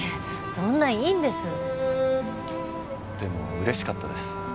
そんないいんですでも嬉しかったです